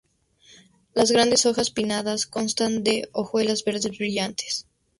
Las grandes hojas pinnadas constan de hojuelas verdes brillantes.